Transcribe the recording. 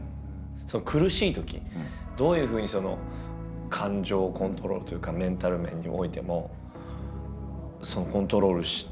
苦しいときどういうふうに感情をコントロールというかメンタル面においてもコントロールしてらっしゃったんですか？